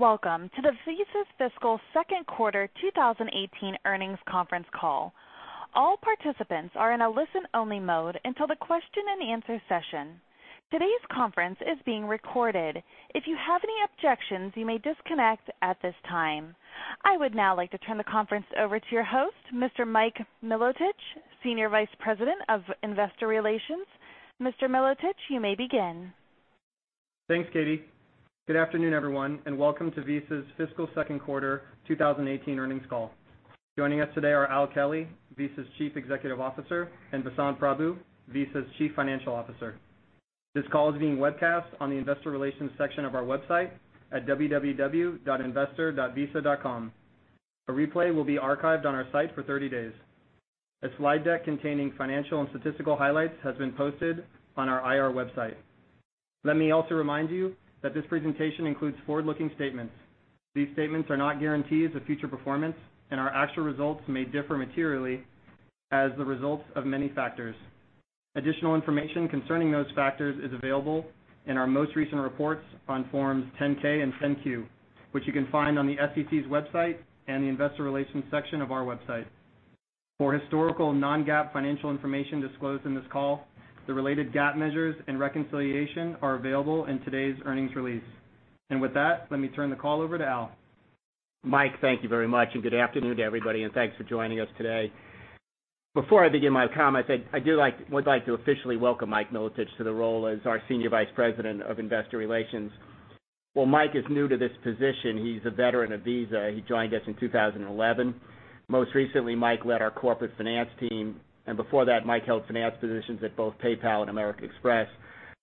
Welcome to the Visa's Fiscal Second Quarter 2018 Earnings Conference Call. All participants are in a listen-only mode until the question and answer session. Today's conference is being recorded. If you have any objections, you may disconnect at this time. I would now like to turn the conference over to your host, Mr. Mike Milotich, Senior Vice President of Investor Relations. Mr. Milotich, you may begin. Thanks, Katie. Good afternoon, everyone, and welcome to Visa's Fiscal Second Quarter 2018 Earnings Call. Joining us today are Al Kelly, Visa's Chief Executive Officer, and Vasant Prabhu, Visa's Chief Financial Officer. This call is being webcast on the investor relations section of our website at www.investor.visa.com. A replay will be archived on our site for 30 days. A slide deck containing financial and statistical highlights has been posted on our IR website. Let me also remind you that this presentation includes forward-looking statements. These statements are not guarantees of future performance and our actual results may differ materially as the results of many factors. Additional information concerning those factors is available in our most recent reports on forms 10-K and 10-Q, which you can find on the SEC's website and the investor relations section of our website. For historical non-GAAP financial information disclosed in this call, the related GAAP measures and reconciliation are available in today's earnings release. With that, let me turn the call over to Al. Mike, thank you very much and good afternoon to everybody, and thanks for joining us today. Before I begin my comments, I would like to officially welcome Mike Milotich to the role as our Senior Vice President of Investor Relations. While Mike is new to this position, he's a veteran of Visa. He joined us in 2011. Most recently, Mike led our corporate finance team, and before that, Mike held finance positions at both PayPal and American Express.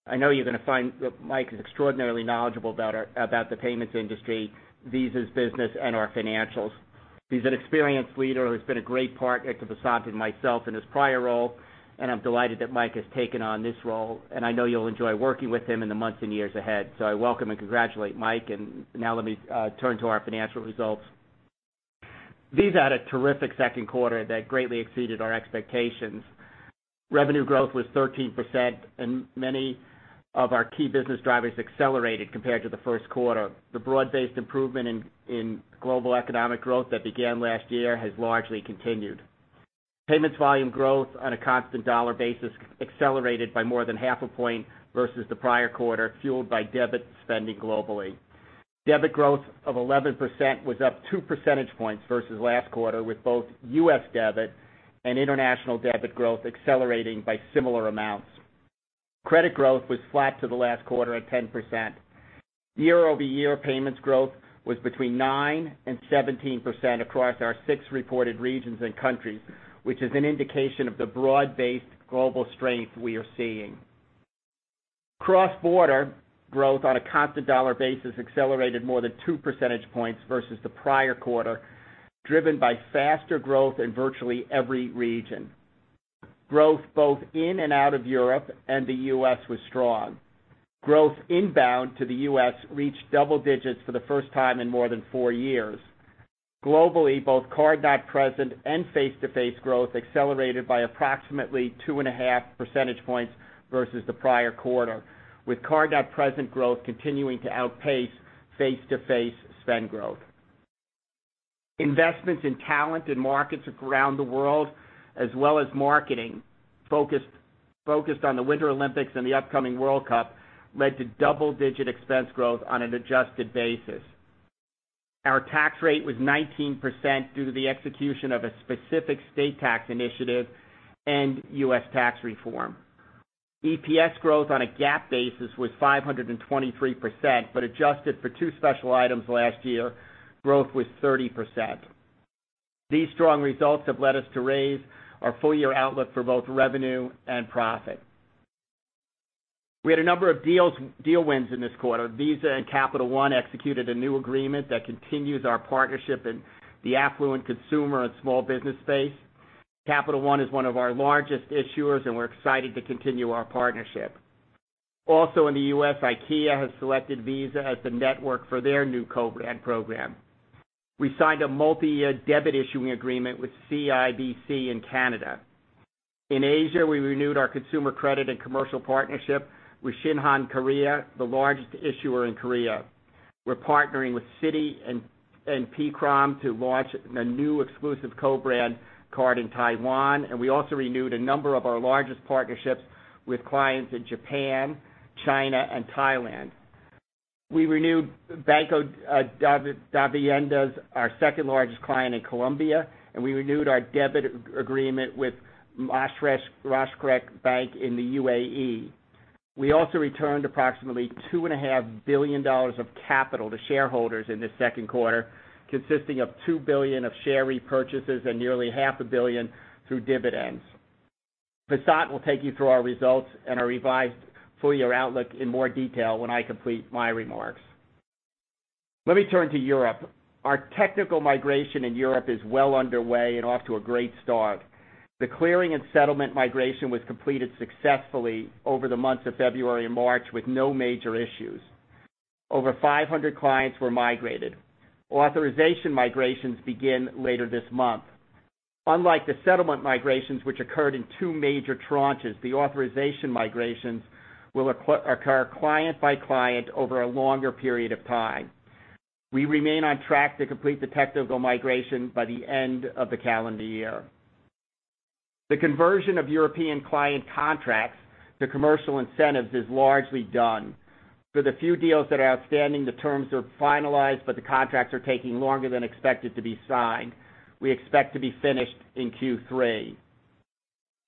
I know you're going to find that Mike is extraordinarily knowledgeable about the payments industry, Visa's business, and our financials. He's an experienced leader who's been a great partner to Vasant and myself in his prior role, and I'm delighted that Mike has taken on this role, and I know you'll enjoy working with him in the months and years ahead. I welcome and congratulate Mike, and now let me turn to our financial results. Visa had a terrific second quarter that greatly exceeded our expectations. Revenue growth was 13%, and many of our key business drivers accelerated compared to the first quarter. The broad-based improvement in global economic growth that began last year has largely continued. Payments volume growth on a constant dollar basis accelerated by more than half a point versus the prior quarter, fueled by debit spending globally. Debit growth of 11% was up two percentage points versus last quarter, with both U.S. debit and international debit growth accelerating by similar amounts. Credit growth was flat to the last quarter at 10%. Year-over-year payments growth was between 9% and 17% across our six reported regions and countries, which is an indication of the broad-based global strength we are seeing. Cross-border growth on a constant dollar basis accelerated more than two percentage points versus the prior quarter, driven by faster growth in virtually every region. Growth both in and out of Europe and the U.S. was strong. Growth inbound to the U.S. reached double digits for the first time in more than four years. Globally, both card-not-present and face-to-face growth accelerated by approximately 2.5 percentage points versus the prior quarter, with card-not-present growth continuing to outpace face-to-face spend growth. Investments in talent and markets around the world, as well as marketing focused on the Winter Olympics and the upcoming World Cup, led to double-digit expense growth on an adjusted basis. Our tax rate was 19% due to the execution of a specific state tax initiative and U.S. tax reform. EPS growth on a GAAP basis was 523%, adjusted for two special items last year, growth was 30%. These strong results have led us to raise our full-year outlook for both revenue and profit. We had a number of deal wins in this quarter. Visa and Capital One executed a new agreement that continues our partnership in the affluent consumer and small business space. Capital One is one of our largest issuers, and we are excited to continue our partnership. Also in the U.S., IKEA has selected Visa as the network for their new co-brand program. We signed a multi-year debit issuing agreement with CIBC in Canada. In Asia, we renewed our consumer credit and commercial partnership with Shinhan Card, the largest issuer in Korea. We are partnering with Citi and PChome to launch a new exclusive co-brand card in Taiwan, we also renewed a number of our largest partnerships with clients in Japan, China, and Thailand. We renewed Banco Davivienda, our second-largest client in Colombia, and we renewed our debit agreement with Mashreq Bank in the UAE. We also returned approximately $2.5 billion of capital to shareholders in this second quarter, consisting of $2 billion of share repurchases and nearly half a billion through dividends. Vasant will take you through our results and our revised full-year outlook in more detail when I complete my remarks. Let me turn to Europe. Our technical migration in Europe is well underway and off to a great start. The clearing and settlement migration was completed successfully over the months of February and March with no major issues. Over 500 clients were migrated. Authorization migrations begin later this month. Unlike the settlement migrations, which occurred in two major tranches, the authorization migrations will occur client by client over a longer period of time. We remain on track to complete the technical migration by the end of the calendar year. The conversion of European client contracts to commercial incentives is largely done. The few deals that are outstanding, the terms are finalized, but the contracts are taking longer than expected to be signed. We expect to be finished in Q3.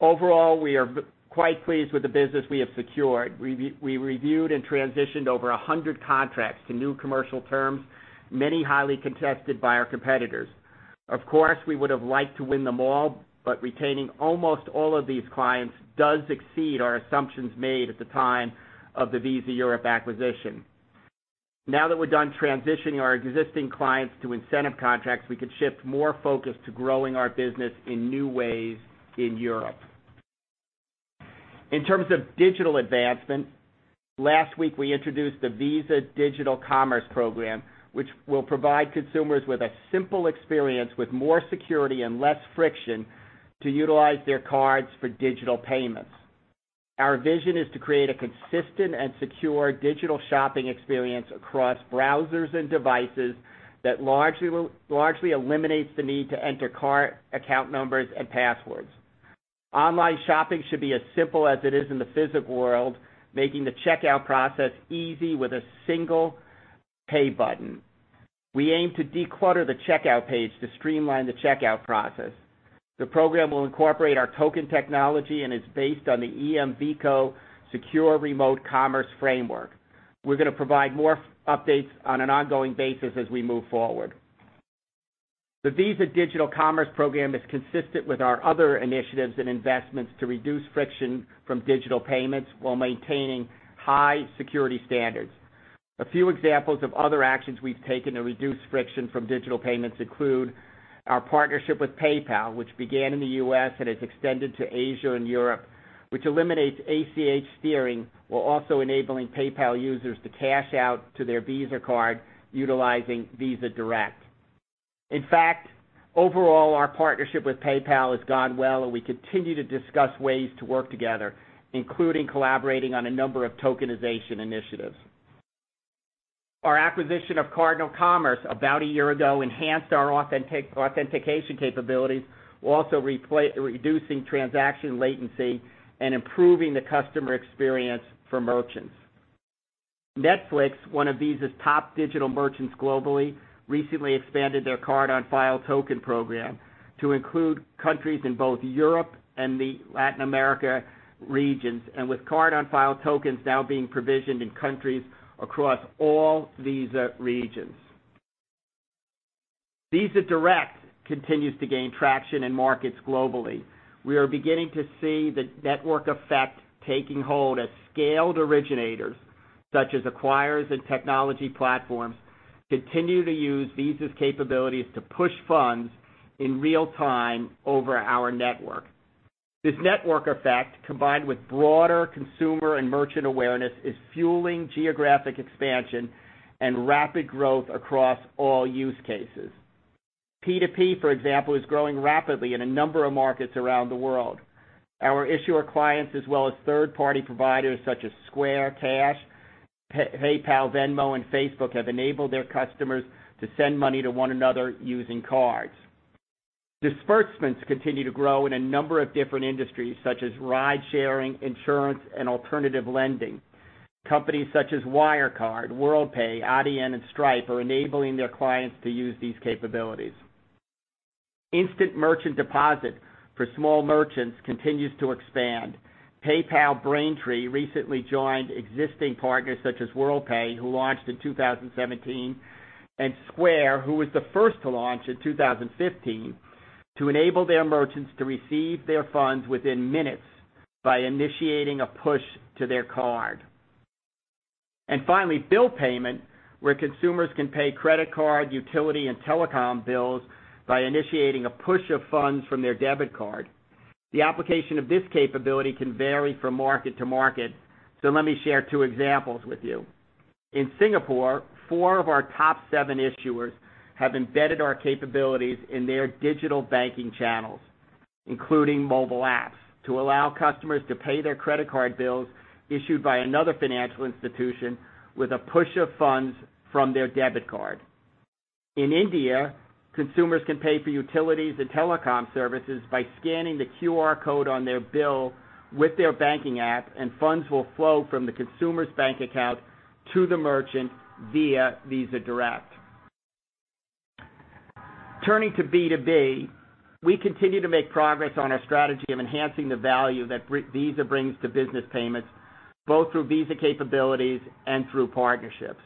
Overall, we are quite pleased with the business we have secured. We reviewed and transitioned over 100 contracts to new commercial terms, many highly contested by our competitors. We would have liked to win them all, but retaining almost all of these clients does exceed our assumptions made at the time of the Visa Europe acquisition. Now that we're done transitioning our existing clients to incentive contracts, we can shift more focus to growing our business in new ways in Europe. In terms of digital advancement, last week, we introduced the Visa Digital Commerce Program, which will provide consumers with a simple experience with more security and less friction to utilize their cards for digital payments. Our vision is to create a consistent and secure digital shopping experience across browsers and devices that largely eliminates the need to enter card account numbers and passwords. Online shopping should be as simple as it is in the physical world, making the checkout process easy with a single pay button. We aim to declutter the checkout page to streamline the checkout process. The program will incorporate our token technology and is based on the EMVCo Secure Remote Commerce framework. We're going to provide more updates on an ongoing basis as we move forward. The Visa Digital Commerce Program is consistent with our other initiatives and investments to reduce friction from digital payments while maintaining high security standards. A few examples of other actions we've taken to reduce friction from digital payments include our partnership with PayPal, which began in the U.S. and has extended to Asia and Europe, which eliminates ACH steering while also enabling PayPal users to cash out to their Visa card utilizing Visa Direct. Overall, our partnership with PayPal has gone well, and we continue to discuss ways to work together, including collaborating on a number of tokenization initiatives. Our acquisition of CardinalCommerce about one year ago enhanced our authentication capabilities, while also reducing transaction latency and improving the customer experience for merchants. Netflix, one of Visa's top digital merchants globally, recently expanded their card-on-file token program to include countries in both Europe and the Latin America regions, with card-on-file tokens now being provisioned in countries across all Visa regions. Visa Direct continues to gain traction in markets globally. We are beginning to see the network effect taking hold as scaled originators, such as acquirers and technology platforms, continue to use Visa's capabilities to push funds in real time over our network. This network effect, combined with broader consumer and merchant awareness, is fueling geographic expansion and rapid growth across all use cases. P2P, for example, is growing rapidly in a number of markets around the world. Our issuer clients, as well as third-party providers such as Square Cash, PayPal, Venmo, and Facebook, have enabled their customers to send money to one another using cards. Disbursement continue to grow in a number of different industries such as ride-sharing, insurance, and alternative lending. Companies such as Wirecard, Worldpay, Adyen, and Stripe are enabling their clients to use these capabilities. Instant merchant deposit for small merchants continues to expand. PayPal Braintree recently joined existing partners such as Worldpay, who launched in 2017, and Square, who was the first to launch in 2015, to enable their merchants to receive their funds within minutes by initiating a push to their card. Finally, bill payment, where consumers can pay credit card, utility, and telecom bills by initiating a push of funds from their debit card. The application of this capability can vary from market to market, so let me share two examples with you. In Singapore, four of our top seven issuers have embedded our capabilities in their digital banking channels, including mobile apps, to allow customers to pay their credit card bills issued by another financial institution with a push of funds from their debit card. In India, consumers can pay for utilities and telecom services by scanning the QR code on their bill with their banking app, and funds will flow from the consumer's bank account to the merchant via Visa Direct. Turning to B2B, we continue to make progress on our strategy of enhancing the value that Visa brings to business payments, both through Visa capabilities and through partnerships.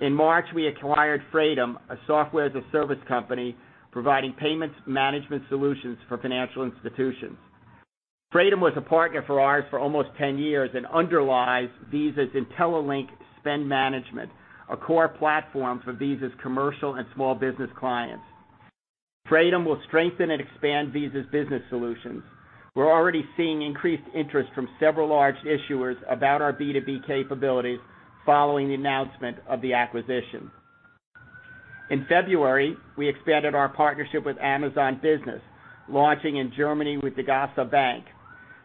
In March, we acquired Fraedom, a Software-as-a-Service company providing payments management solutions for financial institutions. Fraedom was a partner for ours for almost 10 years and underlies Visa's IntelliLink Spend Management, a core platform for Visa's commercial and small business clients. Fraedom will strengthen and expand Visa's business solutions. We're already seeing increased interest from several large issuers about our B2B capabilities following the announcement of the acquisition. In February, we expanded our partnership with Amazon Business, launching in Germany with Degussa Bank.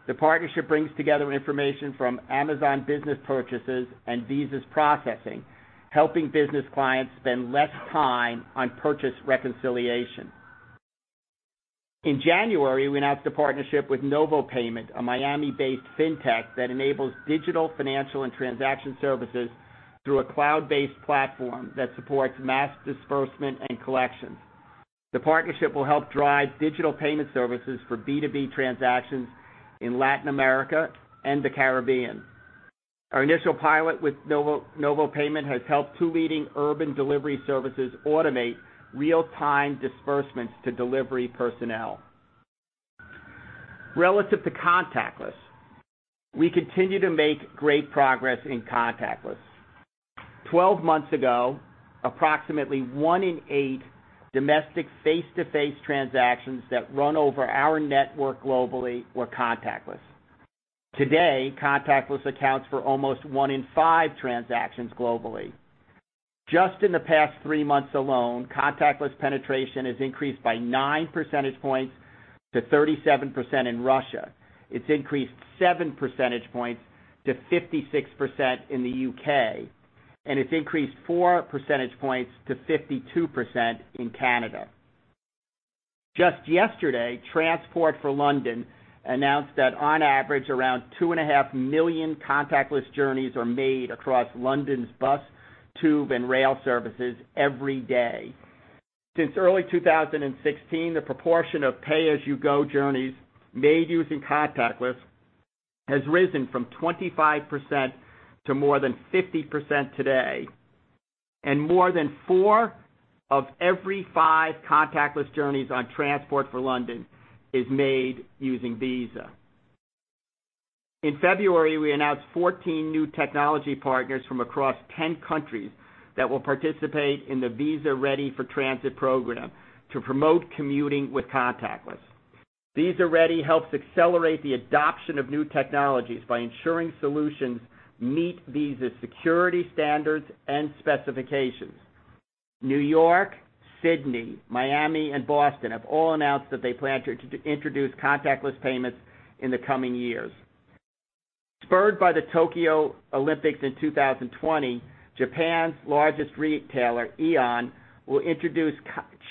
The partnership brings together information from Amazon Business purchases and Visa's processing, helping business clients spend less time on purchase reconciliation. In January, we announced a partnership with NovoPayment, a Miami-based fintech that enables digital financial and transaction services through a cloud-based platform that supports mass disbursement and collections. The partnership will help drive digital payment services for B2B transactions in Latin America and the Caribbean. Our initial pilot with NovoPayment has helped two leading urban delivery services automate real-time disbursements to delivery personnel. Relative to contactless, we continue to make great progress in contactless. 12 months ago, approximately one in eight domestic face-to-face transactions that ran over our network globally were contactless. Today, contactless accounts for almost one in five transactions globally. Just in the past three months alone, contactless penetration has increased by nine percentage points to 37% in Russia. It's increased seven percentage points to 56% in the U.K., and it's increased four percentage points to 52% in Canada. Just yesterday, Transport for London announced that on average, around two and a half million contactless journeys are made across London's bus, tube, and rail services every day. Since early 2016, the proportion of pay-as-you-go journeys made using contactless has risen from 25% to more than 50% today. More than four of every five contactless journeys on Transport for London is made using Visa. In February, we announced 14 new technology partners from across 10 countries that will participate in the Visa Ready for Transit program to promote commuting with contactless. Visa Ready helps accelerate the adoption of new technologies by ensuring solutions meet Visa's security standards and specifications. New York, Sydney, Miami, and Boston have all announced that they plan to introduce contactless payments in the coming years. Spurred by the Tokyo Olympics in 2020, Japan's largest retailer, Aeon, will introduce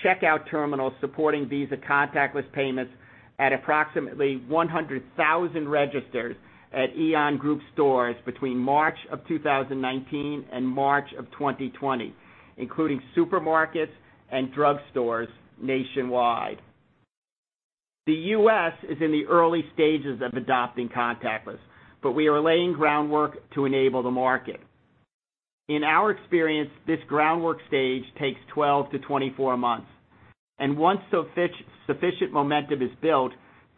checkout terminals supporting Visa contactless payments at approximately 100,000 registers at Aeon Group stores between March of 2019 and March of 2020, including supermarkets and drugstores nationwide. The U.S. is in the early stages of adopting contactless, but we are laying groundwork to enable the market. In our experience, this groundwork stage takes 12 to 24 months, and once sufficient momentum is built,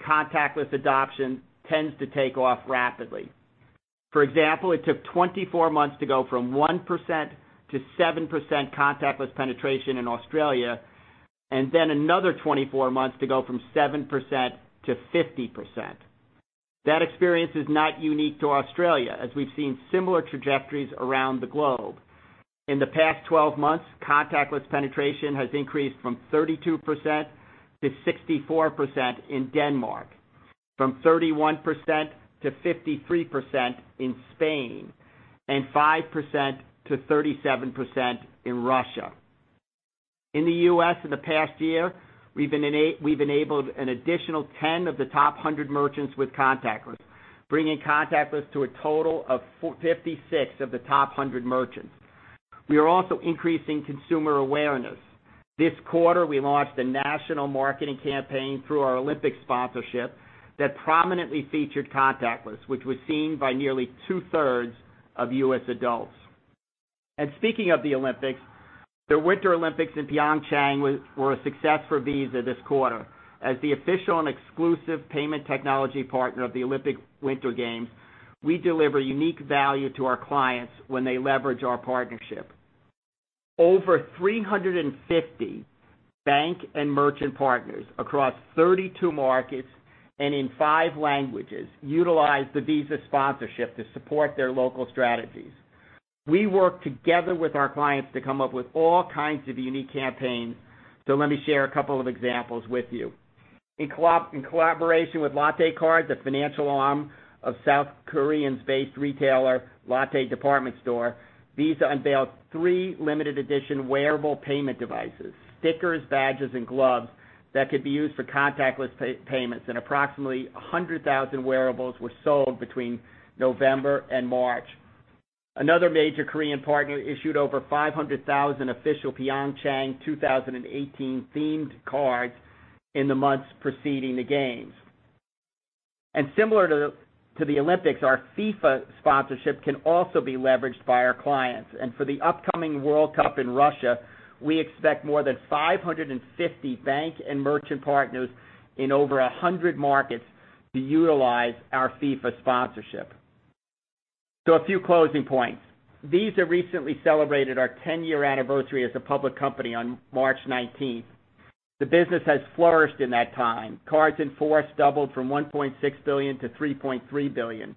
contactless adoption tends to take off rapidly. For example, it took 24 months to go from 1% to 7% contactless penetration in Australia. Then another 24 months to go from 7% to 50%. That experience is not unique to Australia, as we've seen similar trajectories around the globe. In the past 12 months, contactless penetration has increased from 32% to 64% in Denmark, from 31% to 53% in Spain, and 5% to 37% in Russia. In the U.S. in the past year, we've enabled an additional 10 of the top 100 merchants with contactless, bringing contactless to a total of 56 of the top 100 merchants. We are also increasing consumer awareness. This quarter, we launched a national marketing campaign through our Olympic sponsorship that prominently featured contactless, which was seen by nearly two-thirds of U.S. adults. Speaking of the Olympics, the Winter Olympics in Pyeongchang were a success for Visa this quarter. As the official and exclusive payment technology partner of the Olympic Winter Games, we deliver unique value to our clients when they leverage our partnership. Over 350 bank and merchant partners across 32 markets and in five languages utilize the Visa sponsorship to support their local strategies. We work together with our clients to come up with all kinds of unique campaigns, so let me share a couple of examples with you. In collaboration with Lotte Card, the financial arm of South Korean-based retailer Lotte Department Store, Visa unveiled three limited edition wearable payment devices, stickers, badges, and gloves that could be used for contactless payments. Approximately 100,000 wearables were sold between November and March. Another major Korean partner issued over 500,000 official Pyeongchang 2018-themed cards in the months preceding the games. Similar to the Olympics, our FIFA sponsorship can also be leveraged by our clients. For the upcoming World Cup in Russia, we expect more than 550 bank and merchant partners in over 100 markets to utilize our FIFA sponsorship. A few closing points. Visa recently celebrated our 10-year anniversary as a public company on March 19th. The business has flourished in that time. Cards in force doubled from $1.6 billion to $3.3 billion.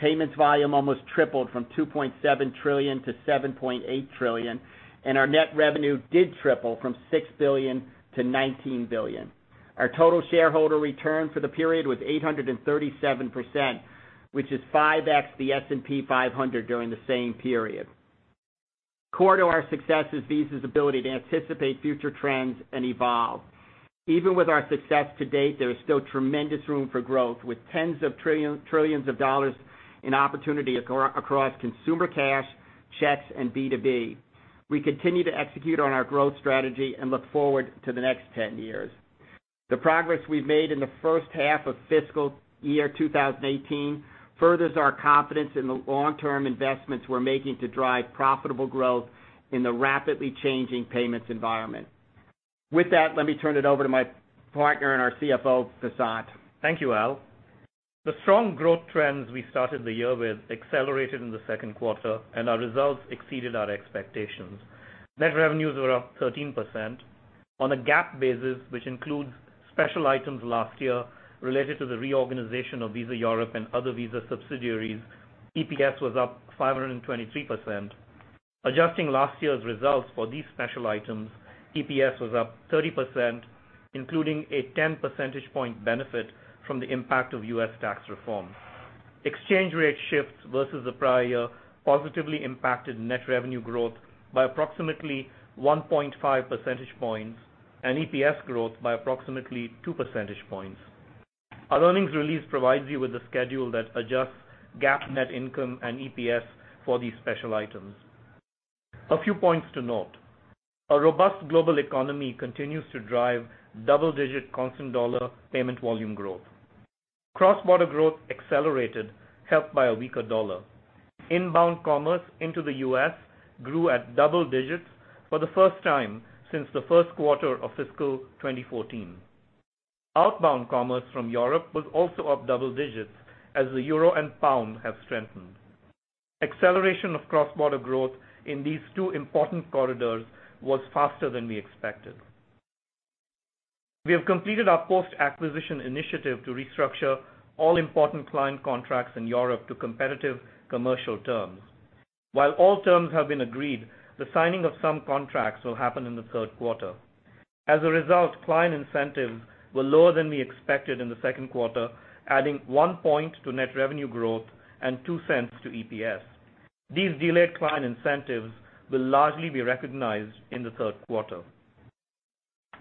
Payments volume almost tripled from $2.7 trillion to $7.8 trillion. Our net revenue did triple from six billion to $19 billion. Our total shareholder return for the period was 837%, which is 5X the S&P 500 during the same period. Core to our success is Visa's ability to anticipate future trends and evolve. Even with our success to date, there is still tremendous room for growth, with tens of trillions of dollars in opportunity across consumer cash, checks, and B2B. We continue to execute on our growth strategy and look forward to the next 10 years. The progress we've made in the first half of fiscal year 2018 furthers our confidence in the long-term investments we're making to drive profitable growth in the rapidly changing payments environment. With that, let me turn it over to my partner and our CFO, Vasant. Thank you, Al. The strong growth trends we started the year with accelerated in the second quarter, and our results exceeded our expectations. Net revenues were up 13%. On a GAAP basis, which includes special items last year related to the reorganization of Visa Europe and other Visa subsidiaries, EPS was up 523%. Adjusting last year's results for these special items, EPS was up 30%, including a 10 percentage point benefit from the impact of U.S. tax reform. Exchange rate shifts versus the prior year positively impacted net revenue growth by approximately 1.5 percentage points and EPS growth by approximately two percentage points. Our earnings release provides you with a schedule that adjusts GAAP net income and EPS for these special items. A few points to note. A robust global economy continues to drive double-digit constant dollar payment volume growth. Cross-border growth accelerated, helped by a weaker dollar. Inbound commerce into the U.S. grew at double digits for the first time since the first quarter of fiscal 2014. Outbound commerce from Europe was also up double digits as the euro and pound have strengthened. Acceleration of cross-border growth in these two important corridors was faster than we expected. We have completed our post-acquisition initiative to restructure all important client contracts in Europe to competitive commercial terms. While all terms have been agreed, the signing of some contracts will happen in the third quarter. As a result, client incentives were lower than we expected in the second quarter, adding one point to net revenue growth and $0.02 to EPS. These delayed client incentives will largely be recognized in the third quarter.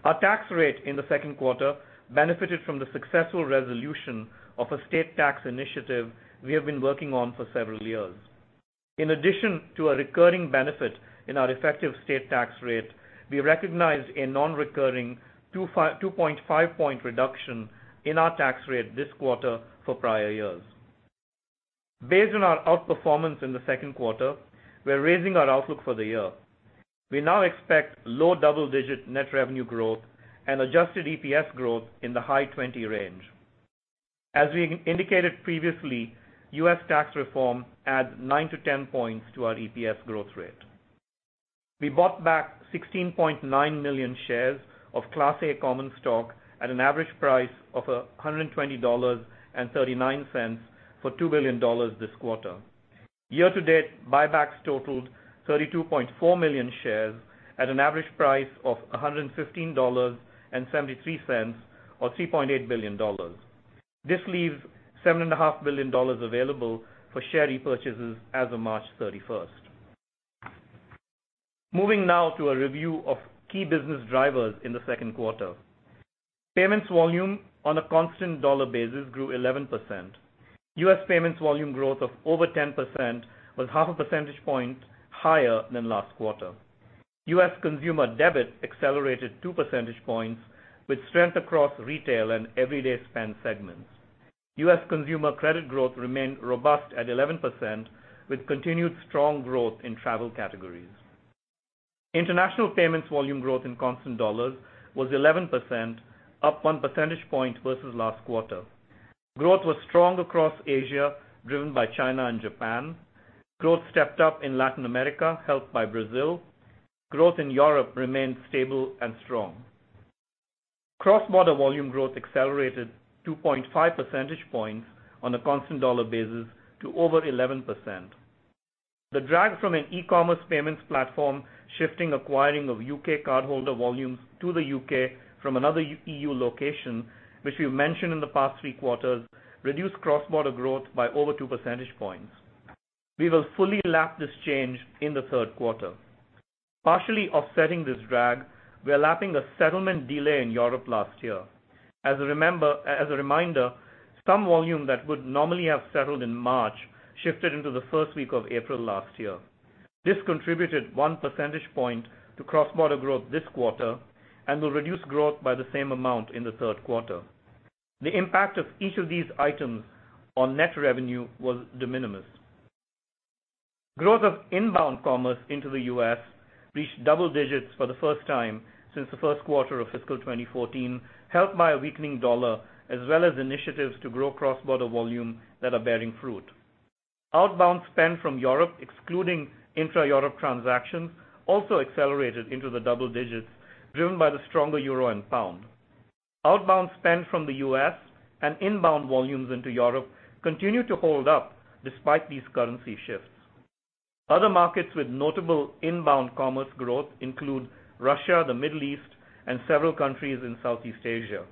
Our tax rate in the second quarter benefited from the successful resolution of a state tax initiative we have been working on for several years. In addition to a recurring benefit in our effective state tax rate, we recognized a non-recurring 2.5-point reduction in our tax rate this quarter for prior years. Based on our outperformance in the second quarter, we're raising our outlook for the year. We now expect low double-digit net revenue growth and adjusted EPS growth in the high 20 range. As we indicated previously, U.S. tax reform adds 9-10 points to our EPS growth rate. We bought back 16.9 million shares of Class A common stock at an average price of $120.39 for $2 billion this quarter. Year-to-date, buybacks totaled 32.4 million shares at an average price of $115.73, or $3.8 billion. This leaves $7.5 billion available for share repurchases as of March 31st. Moving now to a review of key business drivers in the second quarter. Payments volume on a constant dollar basis grew 11%. U.S. payments volume growth of over 10% was half a percentage point higher than last quarter. U.S. consumer debit accelerated two percentage points with strength across retail and everyday spend segments. U.S. consumer credit growth remained robust at 11%, with continued strong growth in travel categories. International payments volume growth in constant dollars was 11%, up one percentage point versus last quarter. Growth was strong across Asia, driven by China and Japan. Growth stepped up in Latin America, helped by Brazil. Growth in Europe remained stable and strong. Cross-border volume growth accelerated 2.5 percentage points on a constant dollar basis to over 11%. The drag from an e-commerce payments platform shifting acquiring of U.K. cardholder volumes to the U.K. from another EU location, which we've mentioned in the past three quarters, reduced cross-border growth by over two percentage points. We will fully lap this change in the third quarter. Partially offsetting this drag, we are lapping a settlement delay in Europe last year. As a reminder, some volume that would normally have settled in March shifted into the first week of April last year. This contributed one percentage point to cross-border growth this quarter and will reduce growth by the same amount in the third quarter. The impact of each of these items on net revenue was de minimis. Growth of inbound commerce into the U.S. reached double digits for the first time since the first quarter of fiscal 2014, helped by a weakening dollar as well as initiatives to grow cross-border volume that are bearing fruit. Outbound spend from Europe, excluding intra-Europe transactions, also accelerated into the double digits, driven by the stronger euro and pound. Outbound spend from the U.S. and inbound volumes into Europe continue to hold up despite these currency shifts. Other markets with notable inbound commerce growth include Russia, the Middle East, and several countries in Southeast Asia.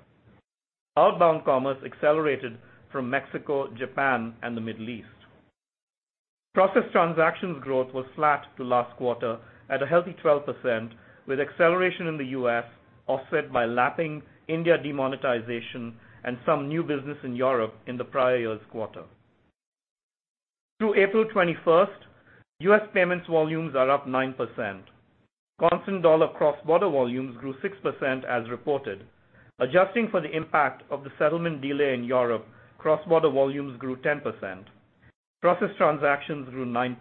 Outbound commerce accelerated from Mexico, Japan, and the Middle East. Processed transactions growth was flat to last quarter at a healthy 12%, with acceleration in the U.S. offset by lapping India demonetization and some new business in Europe in the prior year's quarter. Through April 21st, U.S. payments volumes are up 9%. Constant dollar cross-border volumes grew 6% as reported. Adjusting for the impact of the settlement delay in Europe, cross-border volumes grew 10%. Processed transactions grew 9%.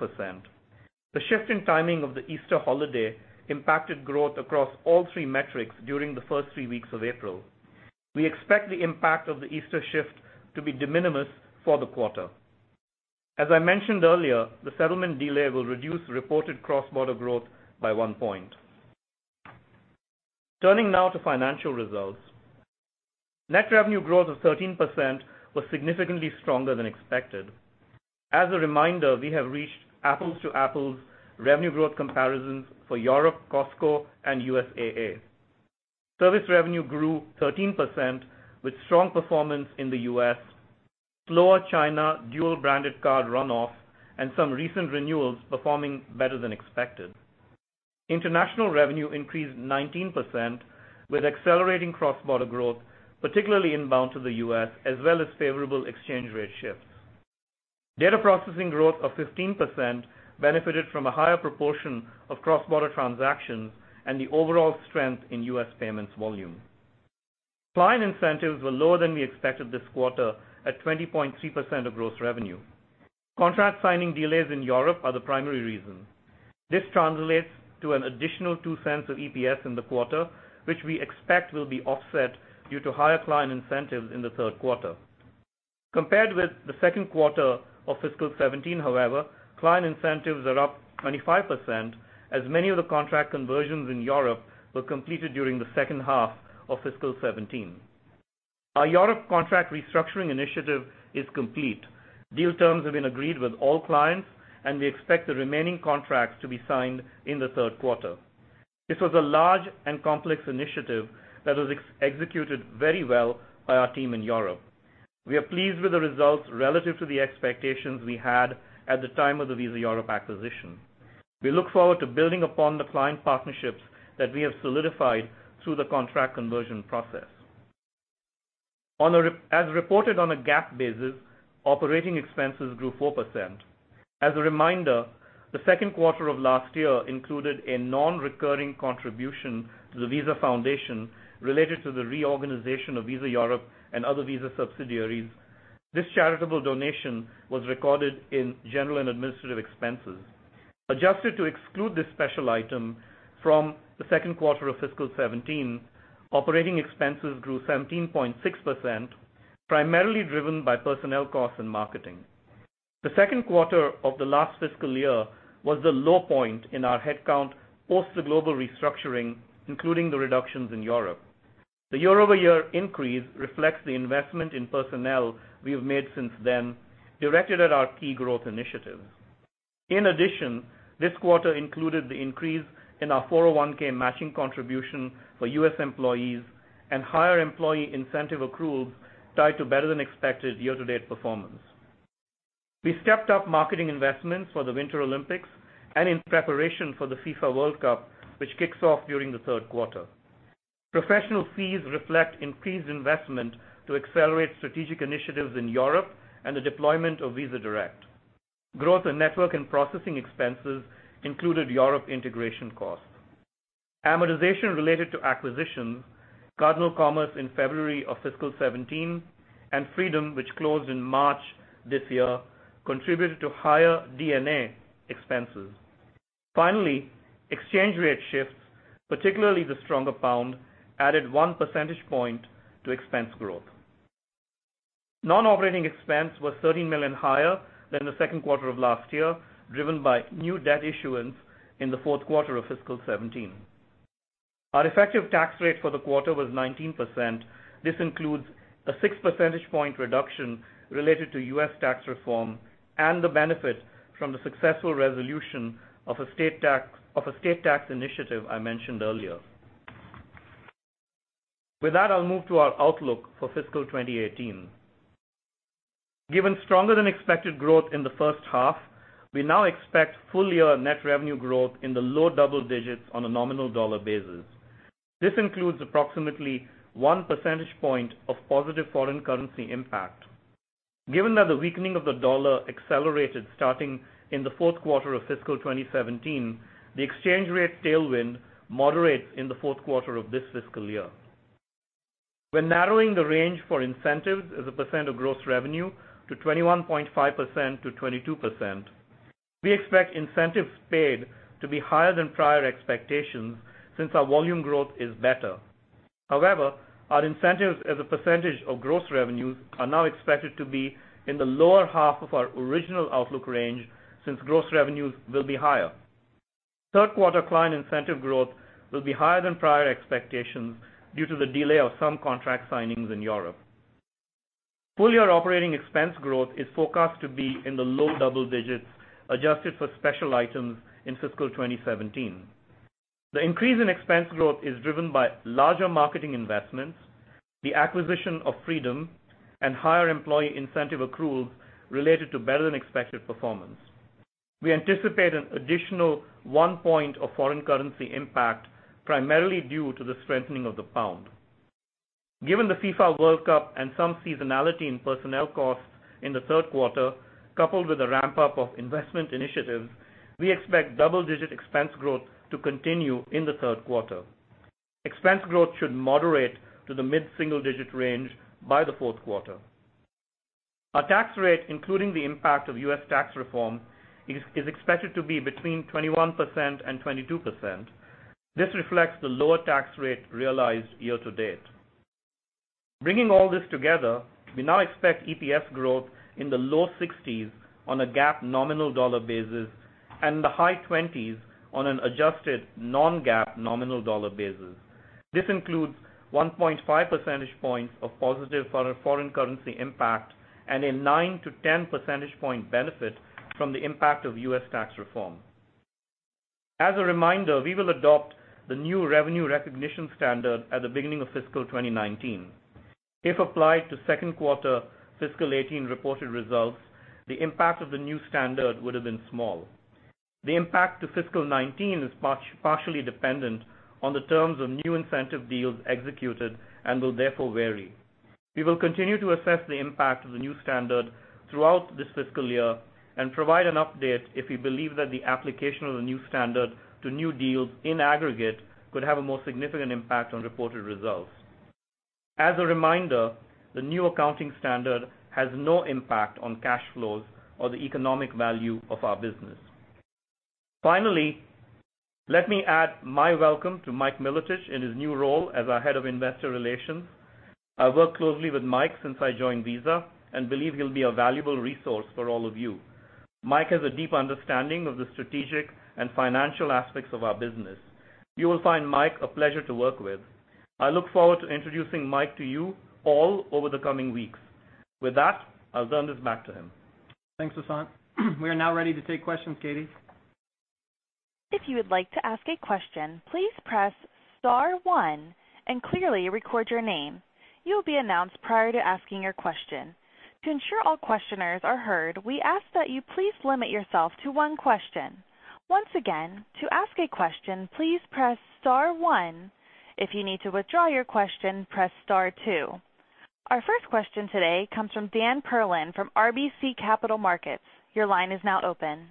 The shift in timing of the Easter holiday impacted growth across all three metrics during the first three weeks of April. We expect the impact of the Easter shift to be de minimis for the quarter. As I mentioned earlier, the settlement delay will reduce reported cross-border growth by one point. Turning now to financial results. Net revenue growth of 13% was significantly stronger than expected. As a reminder, we have reached apples-to-apples revenue growth comparisons for Europe, Costco, and USAA. Service revenue grew 13%, with strong performance in the U.S., slower China dual-branded card runoff, and some recent renewals performing better than expected. International revenue increased 19%, with accelerating cross-border growth, particularly inbound to the U.S., as well as favorable exchange rate shifts. Data processing growth of 15% benefited from a higher proportion of cross-border transactions and the overall strength in U.S. payments volume. Client incentives were lower than we expected this quarter at 20.3% of gross revenue. Contract signing delays in Europe are the primary reason. This translates to an additional $0.02 of EPS in the quarter, which we expect will be offset due to higher client incentives in the third quarter. Compared with the second quarter of fiscal 2017, however, client incentives are up 25% as many of the contract conversions in Europe were completed during the second half of fiscal 2017. Our Europe contract restructuring initiative is complete. Deal terms have been agreed with all clients, and we expect the remaining contracts to be signed in the third quarter. This was a large and complex initiative that was executed very well by our team in Europe. We are pleased with the results relative to the expectations we had at the time of the Visa Europe acquisition. We look forward to building upon the client partnerships that we have solidified through the contract conversion process. As reported on a GAAP basis, operating expenses grew 4%. As a reminder, the second quarter of last year included a non-recurring contribution to the Visa Foundation related to the reorganization of Visa Europe and other Visa subsidiaries. This charitable donation was recorded in general and administrative expenses. Adjusted to exclude this special item from the second quarter of fiscal 2017, operating expenses grew 17.6%, primarily driven by personnel costs and marketing. The second quarter of the last fiscal year was the low point in our headcount post the global restructuring, including the reductions in Europe. The year-over-year increase reflects the investment in personnel we have made since then, directed at our key growth initiatives. In addition, this quarter included the increase in our 401(k) matching contribution for U.S. employees and higher employee incentive accruals tied to better-than-expected year-to-date performance. We stepped up marketing investments for the Winter Olympics and in preparation for the FIFA World Cup, which kicks off during the third quarter. Professional fees reflect increased investment to accelerate strategic initiatives in Europe and the deployment of Visa Direct. Growth in network and processing expenses included Europe integration costs. Amortization related to acquisitions, CardinalCommerce in February of fiscal 2017 and Fraedom, which closed in March this year, contributed to higher D&A expenses. Finally, exchange rate shifts, particularly the stronger pound, added one percentage point to expense growth. Non-operating expense was $13 million higher than the second quarter of last year, driven by new debt issuance in the fourth quarter of fiscal 2017. Our effective tax rate for the quarter was 19%. This includes a six-percentage point reduction related to U.S. tax reform and the benefit from the successful resolution of a state tax initiative I mentioned earlier. With that, I will move to our outlook for fiscal 2018. Given stronger-than-expected growth in the first half, we now expect full-year net revenue growth in the low double digits on a nominal dollar basis. This includes approximately one percentage point of positive foreign currency impact. Given that the weakening of the dollar accelerated starting in the fourth quarter of fiscal 2017, the exchange rate tailwind moderates in the fourth quarter of this fiscal year. We are narrowing the range for incentives as a % of gross revenue to 21.5%-22%. We expect incentives paid to be higher than prior expectations since our volume growth is better. However, our incentives as a percentage of gross revenues are now expected to be in the lower half of our original outlook range since gross revenues will be higher. Third quarter client incentive growth will be higher than prior expectations due to the delay of some contract signings in Europe. Full-year operating expense growth is forecast to be in the low double digits, adjusted for special items in fiscal 2017. The increase in expense growth is driven by larger marketing investments, the acquisition of Fraedom, and higher employee incentive accruals related to better-than-expected performance. We anticipate an additional one point of foreign currency impact, primarily due to the strengthening of the pound. Given the FIFA World Cup and some seasonality in personnel costs in the third quarter, coupled with the ramp-up of investment initiatives, we expect double-digit expense growth to continue in the third quarter. Expense growth should moderate to the mid-single-digit range by the fourth quarter. Our tax rate, including the impact of U.S. tax reform, is expected to be between 21%-22%. This reflects the lower tax rate realized year to date. Bringing all this together, we now expect EPS growth in the low 60s on a GAAP nominal dollar basis and the high 20s on an adjusted non-GAAP nominal dollar basis. This includes 1.5 percentage points of positive foreign currency impact and a 9 to 10 percentage point benefit from the impact of U.S. tax reform. As a reminder, we will adopt the new revenue recognition standard at the beginning of fiscal 2019. If applied to second quarter fiscal 2018 reported results, the impact of the new standard would have been small. The impact to fiscal 2019 is partially dependent on the terms of new incentive deals executed and will therefore vary. We will continue to assess the impact of the new standard throughout this fiscal year and provide an update if we believe that the application of the new standard to new deals in aggregate could have a more significant impact on reported results. As a reminder, the new accounting standard has no impact on cash flows or the economic value of our business. Finally, let me add my welcome to Mike Milotich in his new role as our Head of Investor Relations. I've worked closely with Mike since I joined Visa and believe he'll be a valuable resource for all of you. Mike has a deep understanding of the strategic and financial aspects of our business. You will find Mike a pleasure to work with. I look forward to introducing Mike to you all over the coming weeks. With that, I'll turn this back to him. Thanks, Vasant. We are now ready to take questions, Katie. If you would like to ask a question, please press star one and clearly record your name. You will be announced prior to asking your question. To ensure all questioners are heard, we ask that you please limit yourself to one question. Once again, to ask a question, please press star one. If you need to withdraw your question, press star two. Our first question today comes from Daniel Perlin from RBC Capital Markets. Your line is now open.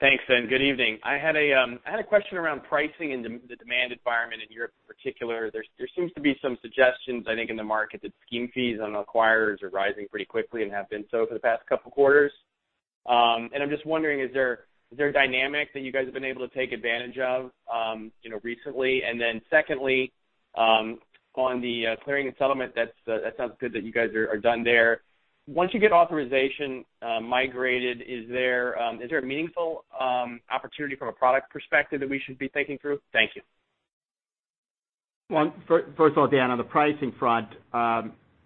Thanks, good evening. I had a question around pricing and the demand environment in Europe in particular. There seems to be some suggestions, I think, in the market that scheme fees on acquirers are rising pretty quickly and have been so for the past couple quarters. I'm just wondering, is there a dynamic that you guys have been able to take advantage of recently? Then secondly, on the clearing and settlement, that sounds good that you guys are done there. Once you get authorization migrated, is there a meaningful opportunity from a product perspective that we should be thinking through? Thank you. Well, first of all, Dan, on the pricing front,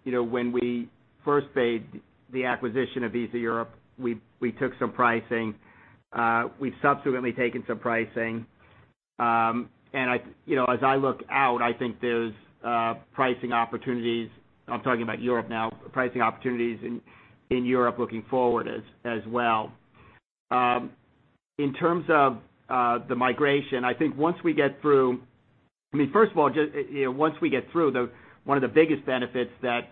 when we first made the acquisition of Visa Europe, we took some pricing. We've subsequently taken some pricing. As I look out, I think there's pricing opportunities, I'm talking about Europe now, pricing opportunities in Europe looking forward as well. In terms of the migration, I think First of all, once we get through, one of the biggest benefits that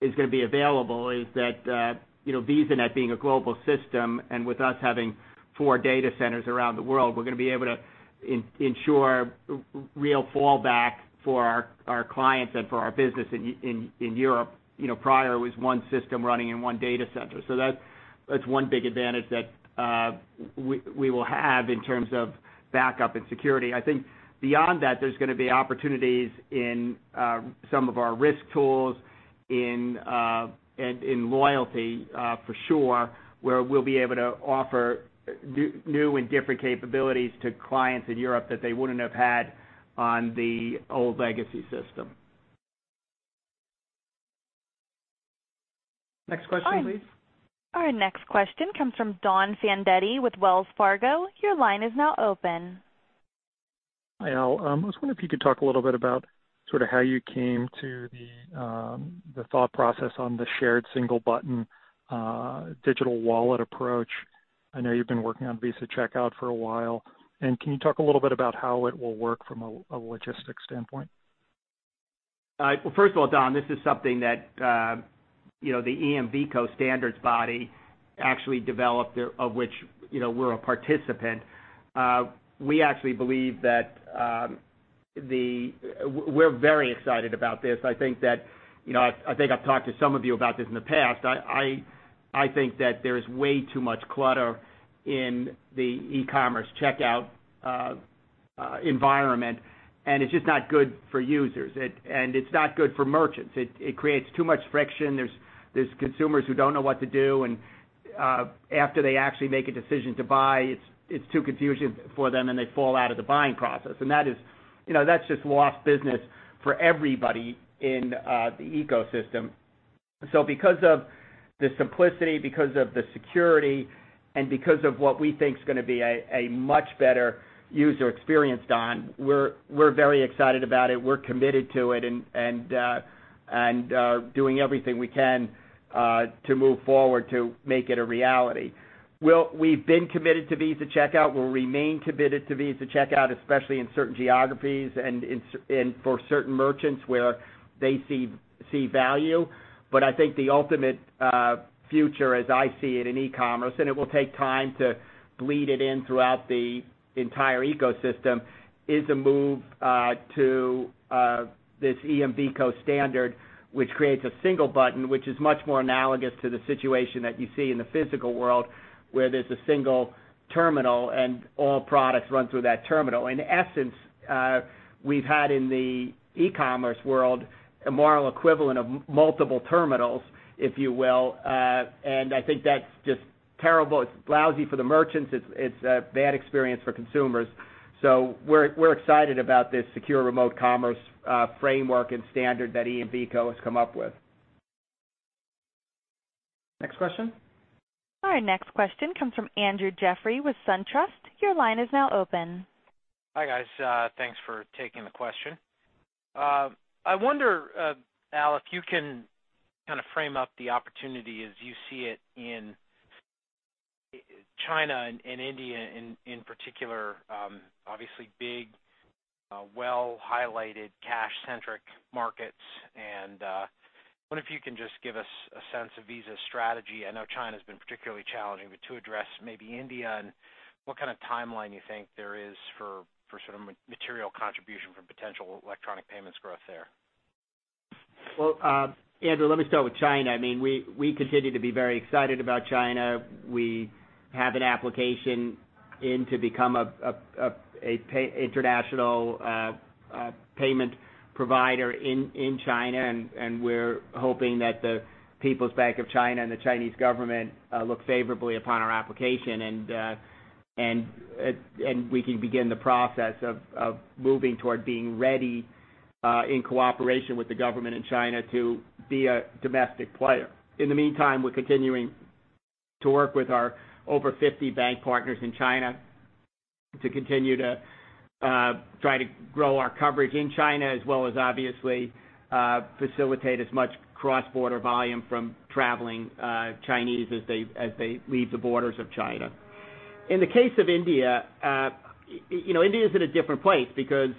is going to be available is that VisaNet being a global system, and with us having four data centers around the world, we're going to be able to ensure real fallback for our clients and for our business in Europe. Prior, it was one system running in one data center. That's one big advantage that we will have in terms of backup and security. I think beyond that, there's going to be opportunities in some of our risk tools and in loyalty, for sure, where we'll be able to offer new and different capabilities to clients in Europe that they wouldn't have had on the old legacy system. Next question, please. Our next question comes from Donald Fandetti with Wells Fargo. Your line is now open. Hi, Al. I was wondering if you could talk a little bit about how you came to the thought process on the shared single button digital wallet approach. I know you've been working on Visa Checkout for a while. Can you talk a little bit about how it will work from a logistics standpoint? Well, first of all, Don, this is something that The EMVCo standards body actually developed, of which we're a participant. We're very excited about this. I think I've talked to some of you about this in the past. I think that there's way too much clutter in the e-commerce checkout environment, and it's just not good for users. It's not good for merchants. It creates too much friction. There's consumers who don't know what to do, and after they actually make a decision to buy, it's too confusing for them, and they fall out of the buying process. That's just lost business for everybody in the ecosystem. Because of the simplicity, because of the security, and because of what we think is going to be a much better user experience, Don, we're very excited about it. We're committed to it and doing everything we can to move forward to make it a reality. We've been committed to Visa Checkout. We'll remain committed to Visa Checkout, especially in certain geographies and for certain merchants where they see value. I think the ultimate future, as I see it in e-commerce, and it will take time to bleed it in throughout the entire ecosystem, is a move to this EMVCo standard, which creates a single button, which is much more analogous to the situation that you see in the physical world, where there's a single terminal and all products run through that terminal. In essence, we've had in the e-commerce world a moral equivalent of multiple terminals, if you will. I think that's just terrible. It's lousy for the merchants. It's a bad experience for consumers. We're excited about this Secure Remote Commerce framework and standard that EMVCo has come up with. Next question. Our next question comes from Andrew Jeffrey with SunTrust. Your line is now open. Hi, guys. Thanks for taking the question. I wonder, Al Kelly, you can kind of frame up the opportunity as you see it in China and India in particular. Obviously big, well-highlighted, cash-centric markets. I wonder if you can just give us a sense of Visa's strategy. I know China's been particularly challenging, but to address maybe India and what kind of timeline you think there is for sort of material contribution from potential electronic payments growth there. Well, Andrew, let me start with China. We continue to be very excited about China. We have an application in to become an international payment provider in China. We're hoping that the People's Bank of China and the Chinese government look favorably upon our application, and we can begin the process of moving toward being ready, in cooperation with the government in China, to be a domestic player. In the meantime, we're continuing to work with our over 50 bank partners in China to continue to try to grow our coverage in China, as well as obviously facilitate as much cross-border volume from traveling Chinese as they leave the borders of China. In the case of India's in a different place because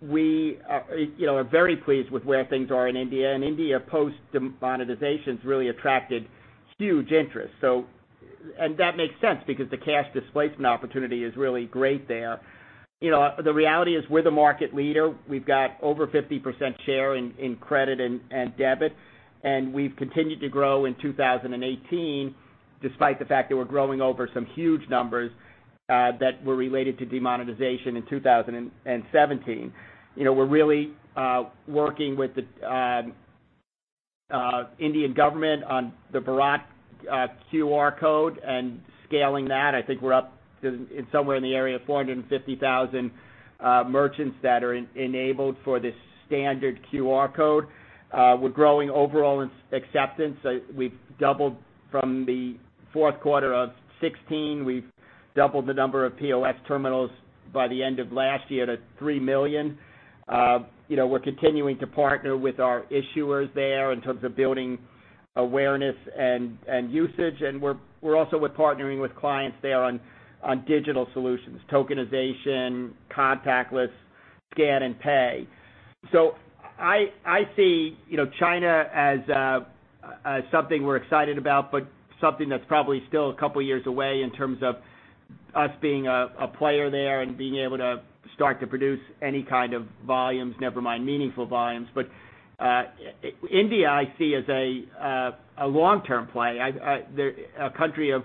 we are very pleased with where things are in India. India post-demonetization's really attracted huge interest. That makes sense because the cash displacement opportunity is really great there. The reality is we're the market leader. We've got over 50% share in credit and debit. We've continued to grow in 2018, despite the fact that we're growing over some huge numbers that were related to demonetization in 2017. We're really working with the Indian government on the BharatQR code and scaling that. I think we're up somewhere in the area of 450,000 merchants that are enabled for this standard QR code. We're growing overall in acceptance. We've doubled from the fourth quarter of 2016. We've doubled the number of POS terminals by the end of last year to 3 million. We're continuing to partner with our issuers there in terms of building awareness and usage. We're also partnering with clients there on digital solutions, tokenization, contactless scan and pay. I see China as something we're excited about, but something that's probably still a couple of years away in terms of us being a player there and being able to start to produce any kind of volumes, never mind meaningful volumes. India I see as a long-term play. A country of